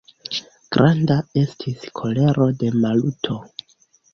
Granda estis kolero de Maluto.